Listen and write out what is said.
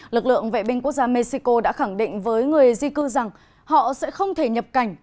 lực lượng vệ binh quốc gia mexico đã khẳng định với người di cư rằng họ sẽ không thể nhập cảnh